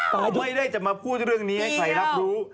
ไม่ได้จะมาพูดเรื่องนี้ให้ใครรับรู้